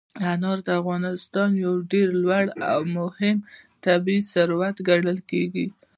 انار د افغانستان یو ډېر لوی او مهم طبعي ثروت ګڼل کېږي.